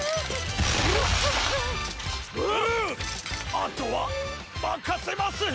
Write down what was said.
あとは任せます。